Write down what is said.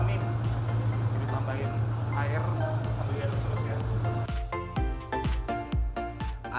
kalau ini kan sedikit kekentauan jadi ditambahin air sambil diaduk terus ya